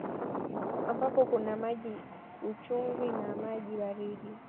Ambapo kuna maji chumvi na maji baridi